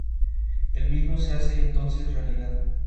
Espera, Jax recibió una transmisión de Lt.